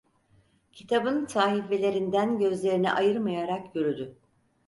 Kitabın sahifelerinden gözlerini ayırmayarak yürüdü.